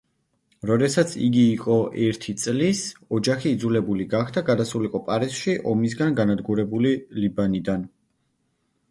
როდესაც იგი იყო ერთი წლის ოჯახი იძულებული გახდა გადასულიყო პარიზში ომისგან განადგურებული ლიბანიდან.